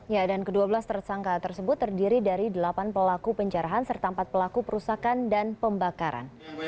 ya dan ke dua belas tersangka tersebut terdiri dari delapan pelaku penjarahan serta empat pelaku perusakan dan pembakaran